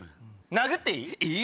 殴っていい？